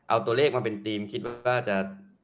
เอาตัวเลขมาเป็นทีมคิดว่าน่าจะ